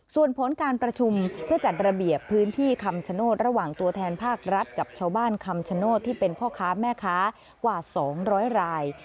ส่วนผลการประชุมเพื่อจัดระเบียบพื้นที่คำชโนธระหว่างตัวแทนภาครัฐกับชาวบ้านคำชโนธที่เป็นพ่อค้าแม่ค้ากว่า๒๐๐ราย